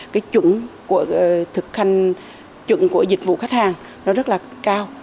cái trụng của thực hành trụng của dịch vụ khách hàng nó rất là cao